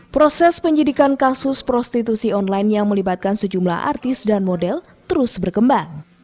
proses penyidikan kasus prostitusi online yang melibatkan sejumlah artis dan model terus berkembang